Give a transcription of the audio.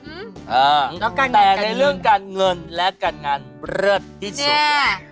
อืมแล้วการงานกันยิ่งแต่ในเรื่องการเงินและการงานเลิศที่สุด